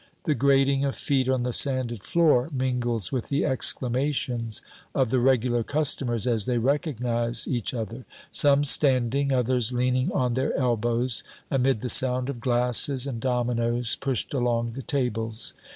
The grating of feet on the sanded floor mingles with the exclamations of the regular customers as they recognize each other, some standing, others leaning on their elbows, amid the sound of glasses and dominoes pushed along the tables.